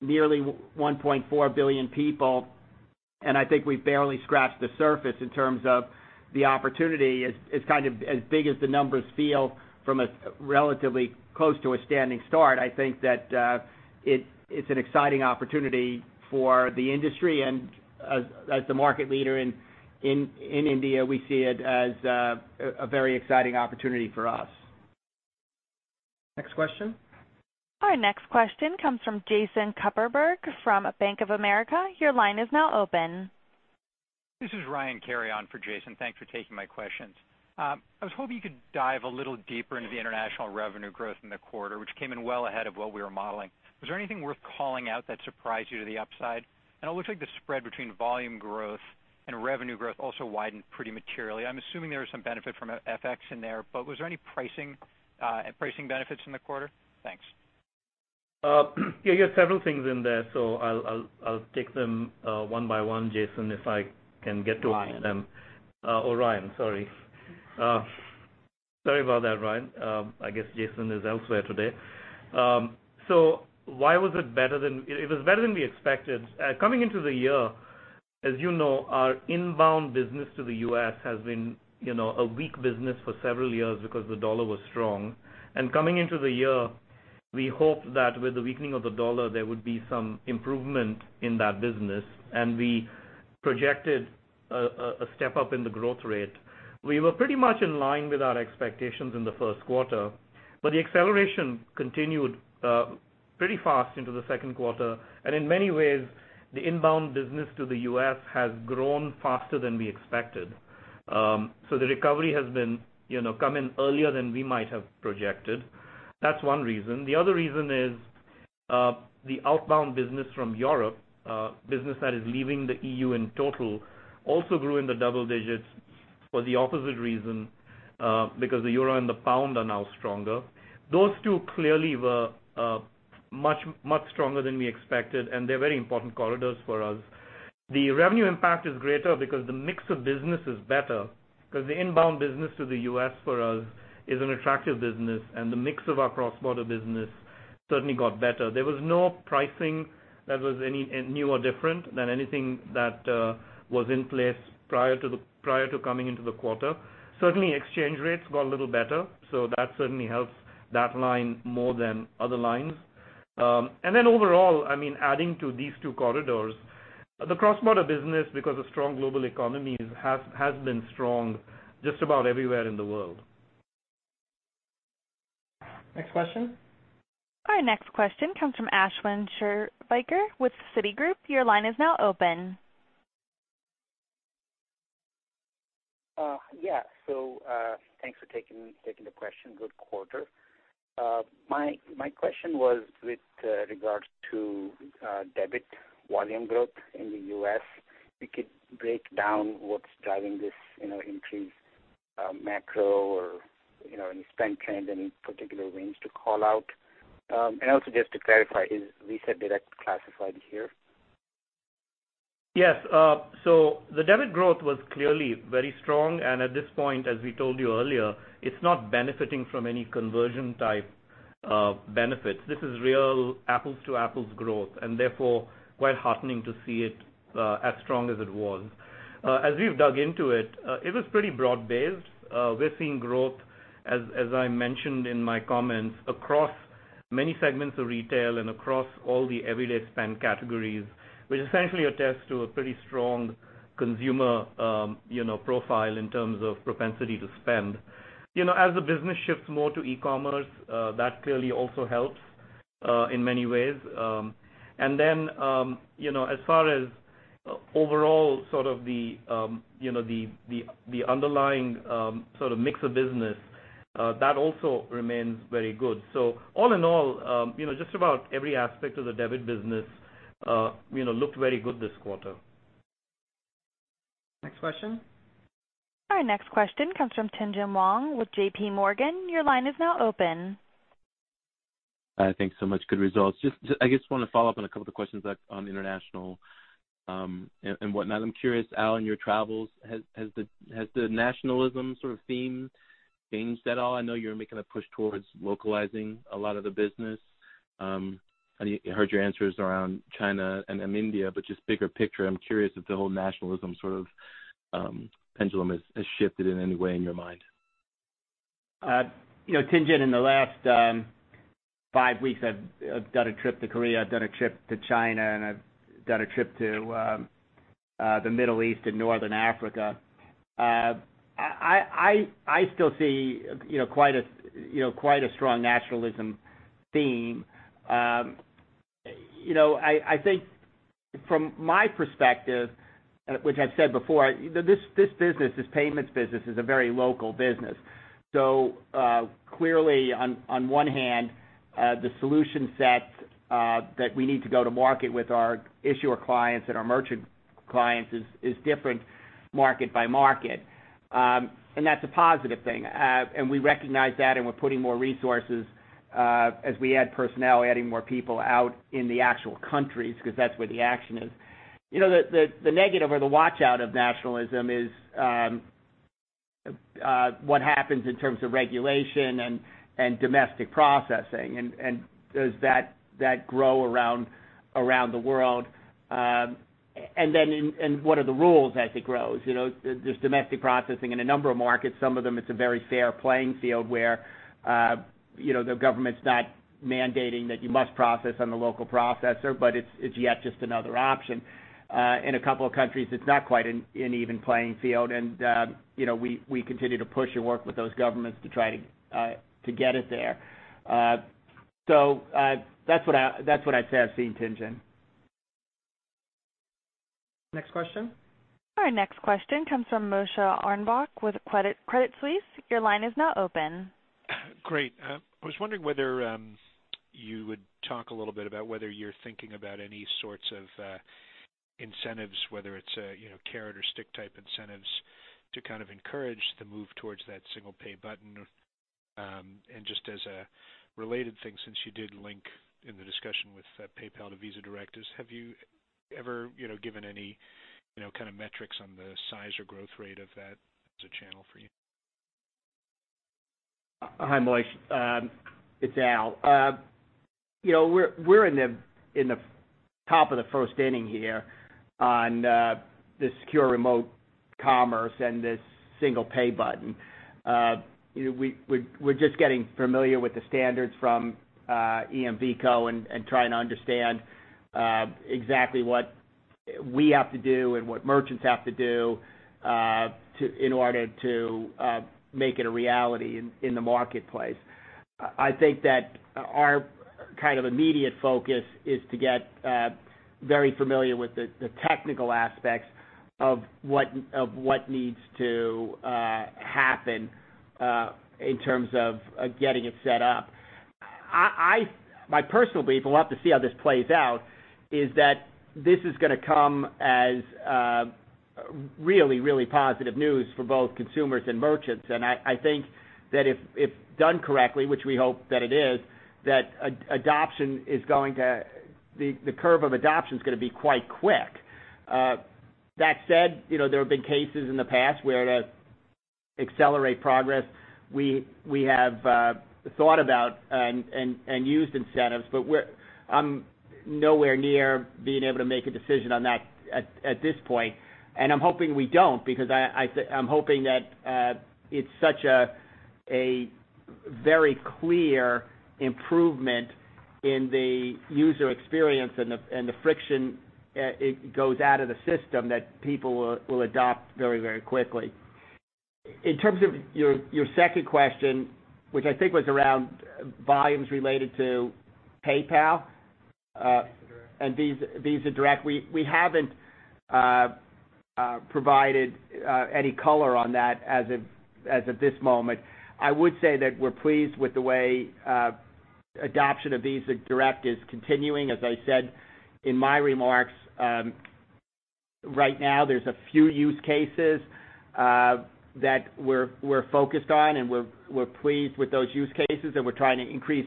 nearly 1.4 billion people. I think we've barely scratched the surface in terms of the opportunity. As big as the numbers feel from a relatively close to a standing start, I think that it's an exciting opportunity for the industry. As the market leader in India, we see it as a very exciting opportunity for us. Next question. Our next question comes from Jason Kupferberg from Bank of America. Your line is now open. This is Ryan Carry on for Jason. Thanks for taking my questions. I was hoping you could dive a little deeper into the international revenue growth in the quarter, which came in well ahead of what we were modeling. Was there anything worth calling out that surprised you to the upside? It looks like the spread between volume growth and revenue growth also widened pretty materially. I'm assuming there was some benefit from FX in there, but was there any pricing benefits in the quarter? Thanks. You got several things in there, I'll take them one by one, Jason, if I can get to them. Ryan. Oh, Ryan, sorry. Sorry about that, Ryan. I guess Jason is elsewhere today. It was better than we expected. Coming into the year, as you know, our inbound business to the U.S. has been a weak business for several years because the dollar was strong. Coming into the year, we hoped that with the weakening of the dollar, there would be some improvement in that business, and we projected a step up in the growth rate. We were pretty much in line with our expectations in the first quarter, the acceleration continued pretty fast into the second quarter. In many ways, the inbound business to the U.S. has grown faster than we expected. The recovery has come in earlier than we might have projected. That's one reason. The other reason is the outbound business from Europe, business that is leaving the EU in total, also grew in the double digits for the opposite reason, because the euro and the pound are now stronger. Those two clearly were much stronger than we expected, and they're very important corridors for us. The revenue impact is greater because the mix of business is better. The inbound business to the U.S. for us is an attractive business, and the mix of our cross-border business certainly got better. There was no pricing that was new or different than anything that was in place prior to coming into the quarter. Certainly exchange rates got a little better, that certainly helps that line more than other lines. Overall, adding to these two corridors, the cross-border business because a strong global economy has been strong just about everywhere in the world. Next question. Our next question comes from Ashwin Shirvaikar with Citigroup. Your line is now open. Thanks for taking the question. Good quarter. My question was with regards to debit volume growth in the U.S. If you could break down what's driving this increase, macro or any spend trend, any particular wins to call out. Also just to clarify, is Visa Direct classified here? The debit growth was clearly very strong, and at this point, as we told you earlier, it's not benefiting from any conversion type benefits. This is real apples-to-apples growth, and therefore quite heartening to see it as strong as it was. As we've dug into it was pretty broad-based. We're seeing growth, as I mentioned in my comments, across many segments of retail and across all the everyday spend categories, which essentially attests to a pretty strong consumer profile in terms of propensity to spend. As the business shifts more to e-commerce, that clearly also helps in many ways. As far as overall sort of the underlying mix of business, that also remains very good. All in all, just about every aspect of the debit business looked very good this quarter. Next question. Our next question comes from Tien-Tsin Huang with J.P. Morgan. Your line is now open. Thanks so much. Good results. I guess want to follow up on a couple of questions on international and whatnot. I'm curious, Al, in your travels, has the nationalism sort of theme changed at all? I know you're making a push towards localizing a lot of the business. I heard your answers around China and India, bigger picture, I'm curious if the whole nationalism sort of pendulum has shifted in any way in your mind. Tien-Tsin, in the last five weeks, I've done a trip to Korea, I've done a trip to China, I've done a trip to the Middle East and Northern Africa. I still see quite a strong nationalism theme. I think from my perspective, which I've said before, this business, this payments business is a very local business. Clearly on one hand the solution set that we need to go to market with our issuer clients and our merchant clients is different market by market. That's a positive thing. We recognize that, and we're putting more resources as we add personnel, adding more people out in the actual countries because that's where the action is. The negative or the watch-out of nationalism is what happens in terms of regulation and domestic processing and does that grow around the world. What are the rules as it grows? There's domestic processing in a number of markets. Some of them it's a very fair playing field where the government's not mandating that you must process on the local processor, it's yet just another option. In a couple of countries it's not quite an even playing field, we continue to push and work with those governments to try to get it there. That's what I'd say I've seen, Tianjian. Next question. Our next question comes from Moshe Orenbuch with Credit Suisse. Your line is now open. I was wondering whether you would talk a little bit about whether you're thinking about any sorts of incentives, whether it's carrot or stick type incentives to kind of encourage the move towards that single pay button. Just as a related thing, since you did link in the discussion with PayPal to Visa Direct, have you ever given any kind of metrics on the size or growth rate of that as a channel for you? Hi, Moshe. It's Al. We're in the top of the first inning here on the Secure Remote Commerce and this single pay button. We're just getting familiar with the standards from EMVCo and trying to understand exactly what we have to do and what merchants have to do in order to make it a reality in the marketplace. I think that our immediate focus is to get very familiar with the technical aspects of what needs to happen in terms of getting it set up. My personal belief, and we'll have to see how this plays out, is that this is going to come as really, really positive news for both consumers and merchants. I think that if done correctly, which we hope that it is, that the curve of adoption is going to be quite quick. That said, there have been cases in the past where to accelerate progress, we have thought about and used incentives. I'm nowhere near being able to make a decision on that at this point. I'm hoping we don't because I'm hoping that it's such a very clear improvement in the user experience and the friction goes out of the system that people will adopt very, very quickly. In terms of your second question, which I think was around volumes related to PayPal. Visa Direct, we haven't provided any color on that as of this moment. I would say that we're pleased with the way adoption of Visa Direct is continuing. As I said in my remarks, right now there's a few use cases that we're focused on and we're pleased with those use cases, and we're trying to increase,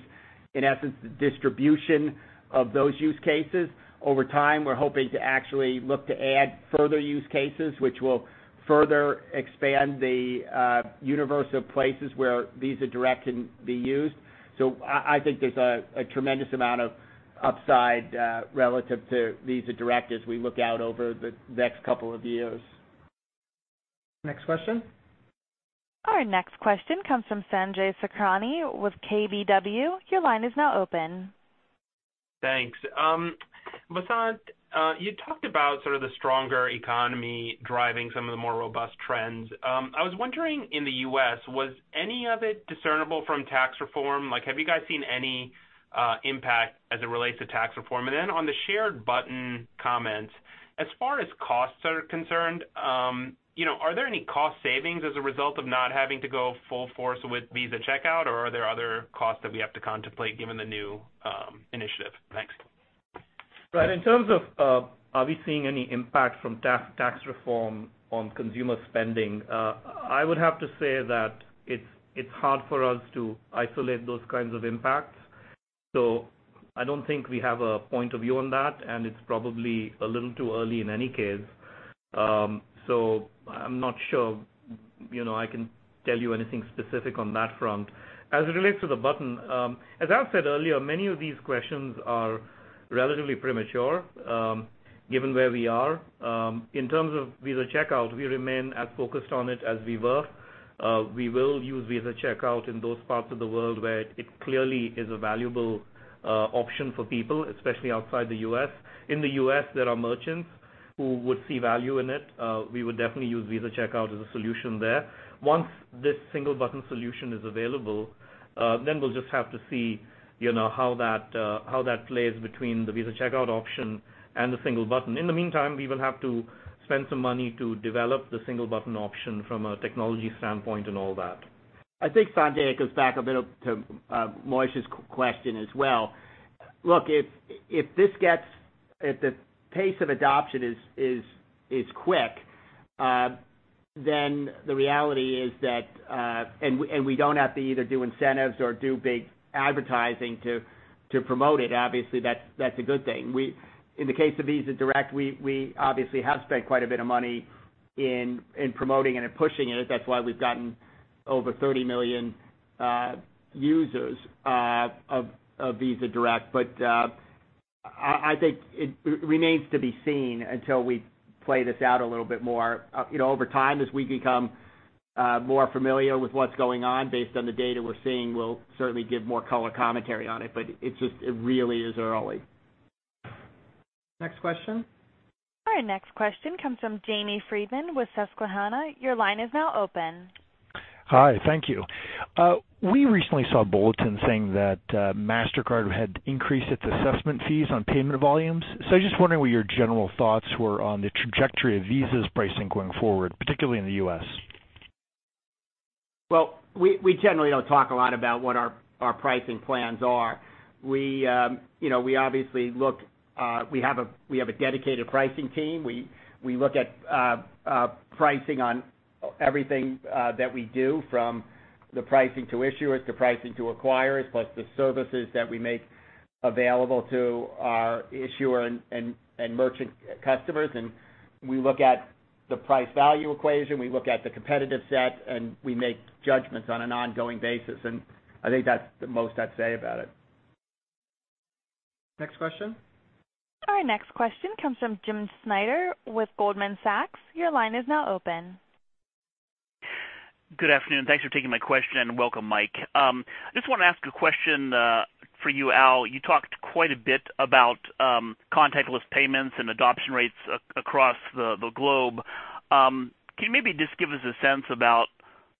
in essence, the distribution of those use cases. Over time, we're hoping to actually look to add further use cases, which will further expand the universe of places where Visa Direct can be used. I think there's a tremendous amount of upside relative to Visa Direct as we look out over the next couple of years. Next question. Our next question comes from Sanjay Sakhrani with KBW. Your line is now open. Thanks. Vasant, you talked about sort of the stronger economy driving some of the more robust trends. I was wondering in the U.S., was any of it discernible from tax reform? Have you guys seen any impact as it relates to tax reform? On the shared button comment, as far as costs are concerned, are there any cost savings as a result of not having to go full force with Visa Checkout, or are there other costs that we have to contemplate given the new initiative? Thanks. Right. In terms of are we seeing any impact from tax reform on consumer spending, I would have to say that it's hard for us to isolate those kinds of impacts. I don't think we have a point of view on that, and it's probably a little too early in any case. I'm not sure I can tell you anything specific on that front. As it relates to the button, as Al said earlier, many of these questions are relatively premature given where we are. In terms of Visa Checkout, we remain as focused on it as we were. We will use Visa Checkout in those parts of the world where it clearly is a valuable option for people, especially outside the U.S. In the U.S., there are merchants who would see value in it. We would definitely use Visa Checkout as a solution there. Once this single button solution is available, we'll just have to see how that plays between the Visa Checkout option and the single button. In the meantime, we will have to spend some money to develop the single button option from a technology standpoint and all that. I think Sanjay, it goes back a bit to Moshe question as well. Look, if the pace of adoption is quick, and we don't have to either do incentives or do big advertising to promote it, obviously that's a good thing. In the case of Visa Direct, we obviously have spent quite a bit of money in promoting it and pushing it. That's why we've gotten over 30 million users of Visa Direct. I think it remains to be seen until we play this out a little bit more. Over time, as we become more familiar with what's going on based on the data we're seeing, we'll certainly give more color commentary on it. It really is early. Next question. Our next question comes from Jamie Friedman with Susquehanna. Your line is now open. Hi. Thank you. We recently saw a bulletin saying that Mastercard had increased its assessment fees on payment volumes. I'm just wondering what your general thoughts were on the trajectory of Visa's pricing going forward, particularly in the U.S. Well, we generally don't talk a lot about what our pricing plans are. We have a dedicated pricing team. We look at pricing on everything that we do, from the pricing to issuers, the pricing to acquirers, plus the services that we make available to our issuer and merchant customers. We look at the price value equation, we look at the competitive set, and we make judgments on an ongoing basis. I think that's the most I'd say about it. Next question. Our next question comes from James Schneider with Goldman Sachs. Your line is now open. Good afternoon. Thanks for taking my question, and welcome, Mike. I just want to ask a question for you, Al. You talked quite a bit about contactless payments and adoption rates across the globe. Can you maybe just give us a sense about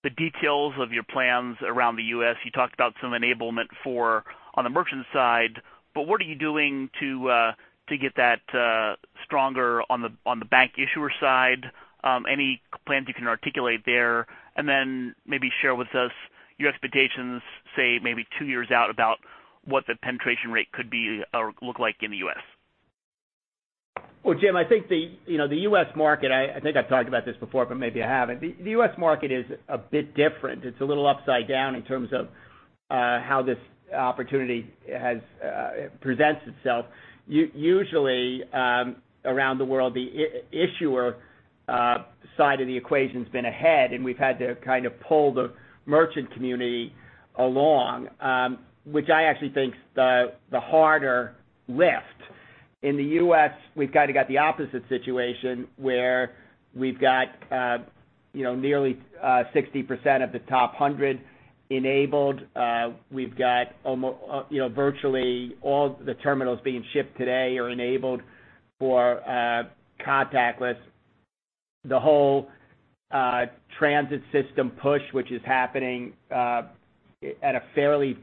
the details of your plans around the U.S.? You talked about some enablement on the merchant side, but what are you doing to get that stronger on the bank issuer side? Any plans you can articulate there? Then maybe share with us your expectations, say maybe two years out, about what the penetration rate could look like in the U.S. Well, Jim, I think I've talked about this before, but maybe I haven't. The U.S. market is a bit different. It's a little upside down in terms of how this opportunity presents itself. Usually around the world, the issuer side of the equation's been ahead, and we've had to kind of pull the merchant community along, which I actually think is the harder lift. In the U.S., we've kind of got the opposite situation, where we've got nearly 60% of the top 100 enabled. Virtually all the terminals being shipped today are enabled for contactless. The whole transit system push, which is happening at a fairly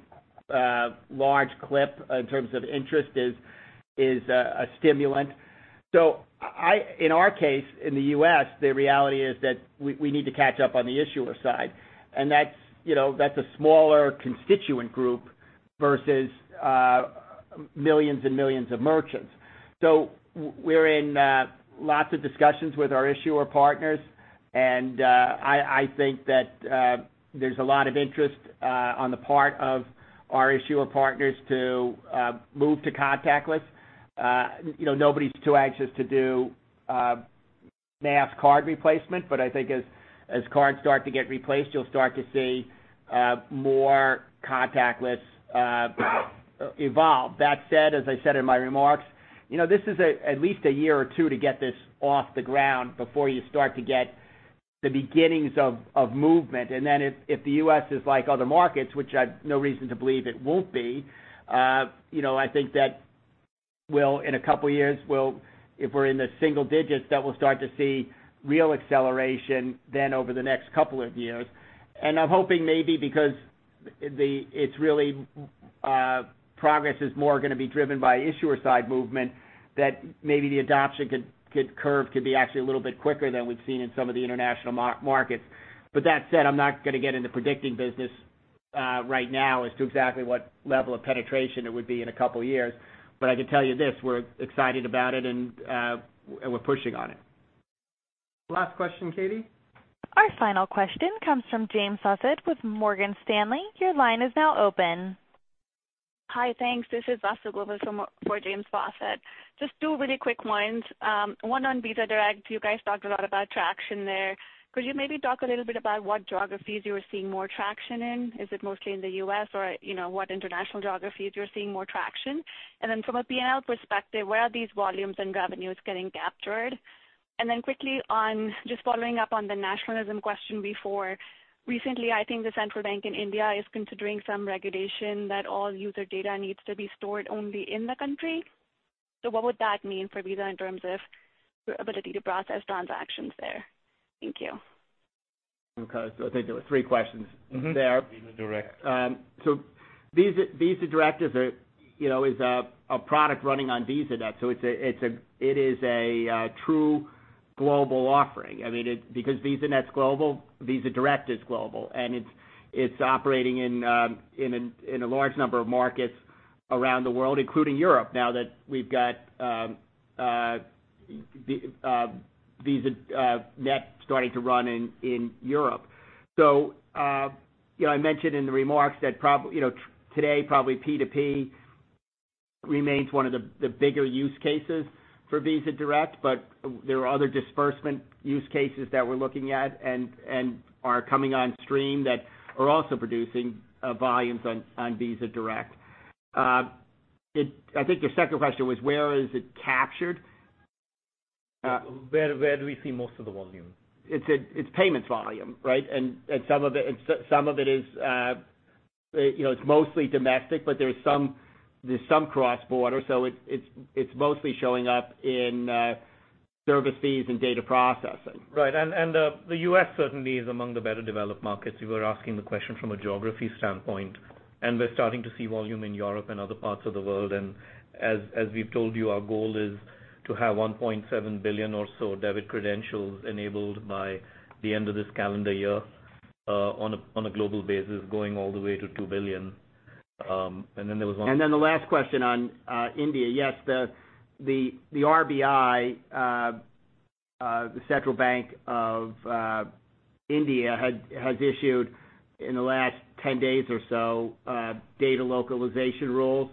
large clip in terms of interest, is a stimulant. In our case, in the U.S., the reality is that we need to catch up on the issuer side. That's a smaller constituent group versus millions and millions of merchants. We're in lots of discussions with our issuer partners, I think that there's a lot of interest on the part of our issuer partners to move to contactless. Nobody's too anxious to do mass card replacement, but I think as cards start to get replaced, you'll start to see more contactless evolve. That said, as I said in my remarks, this is at least a year or two to get this off the ground before you start to get the beginnings of movement. Then if the U.S. is like other markets, which I've no reason to believe it won't be, I think that in a couple of years, if we're in the single digits, that we'll start to see real acceleration then over the next couple of years. I'm hoping maybe because progress is more going to be driven by issuer side movement, that maybe the adoption curve could be actually a little bit quicker than we've seen in some of the international markets. That said, I'm not going to get in the predicting business right now as to exactly what level of penetration it would be in a couple of years. I can tell you this, we're excited about it, and we're pushing on it. Last question, Katie. Our final question comes from James Faucette with Morgan Stanley. Your line is now open. Hi. Thanks. This is Vasundhara Govil for James Faucette. Just two really quick ones. One on Visa Direct. You guys talked a lot about traction there. Could you maybe talk a little bit about what geographies you are seeing more traction in? Is it mostly in the U.S., or what international geographies you're seeing more traction? Then from a P&L perspective, where are these volumes and revenues getting captured? Then quickly, just following up on the nationalism question before. Recently, I think the central bank in India is considering some regulation that all user data needs to be stored only in the country. What would that mean for Visa in terms of your ability to process transactions there? Thank you. Okay. I think there were three questions there. Visa Direct. Visa Direct is a product running on VisaNet. It is a true global offering. Because VisaNet's global, Visa Direct is global, and it's operating in a large number of markets around the world, including Europe, now that we've got VisaNet starting to run in Europe. I mentioned in the remarks that today, probably P2P remains one of the bigger use cases for Visa Direct, but there are other disbursement use cases that we're looking at and are coming on stream that are also producing volumes on Visa Direct. I think your second question was, where is it captured? Where do we see most of the volume? It's payments volume, right? Some of it is mostly domestic, but there's some cross-border. It's mostly showing up in service fees and data processing. Right. The U.S. certainly is among the better developed markets. You were asking the question from a geography standpoint, we're starting to see volume in Europe and other parts of the world. As we've told you, our goal is to have 1.7 billion or so debit credentials enabled by the end of this calendar year on a global basis, going all the way to 2 billion. The last question on India. Yes, the RBI, the Central Bank of India, has issued, in the last 10 days or so, data localization rules.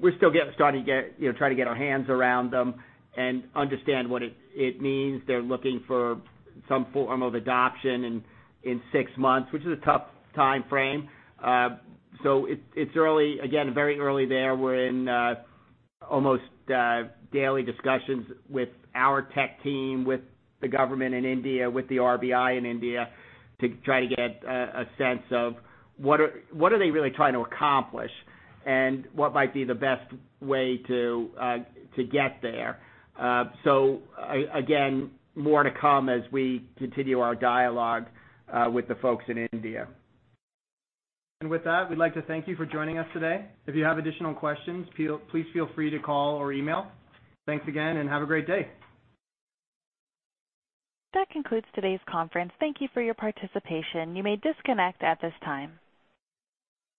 We're still trying to get our hands around them and understand what it means. They're looking for some form of adoption in six months, which is a tough timeframe. It's early, again, very early there. We're in almost daily discussions with our tech team, with the government in India, with the RBI in India to try to get a sense of what are they really trying to accomplish and what might be the best way to get there. Again, more to come as we continue our dialogue with the folks in India. With that, we'd like to thank you for joining us today. If you have additional questions, please feel free to call or email. Thanks again, and have a great day. That concludes today's conference. Thank you for your participation. You may disconnect at this time.